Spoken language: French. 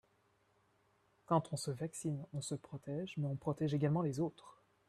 Quand on se vaccine, on se protège mais on protège également les autres.